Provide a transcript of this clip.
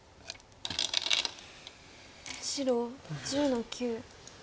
白１０の九。